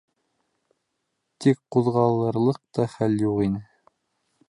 Тик ҡуҙғалырлыҡ та хәл юҡ ине.